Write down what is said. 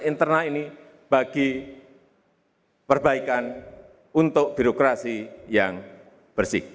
internal ini bagi perbaikan untuk birokrasi yang bersih